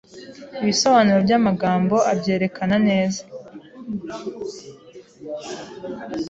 Ibisobanuro by’amagambo abyerekana neza